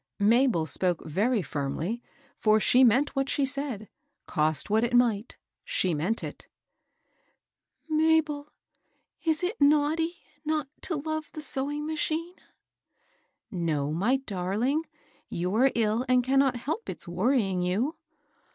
Mabel spoke very firmly, for she meant what she said, — cost what it might, she meant it. ^^ Mabel, is it naughty not to love the sewing machine ?"" No, my darling ; you are ill, and cannot help its worrying you."